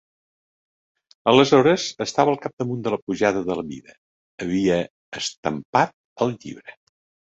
Aleshores estava al capdamunt de la pujada de la vida; havia estampat el llibre.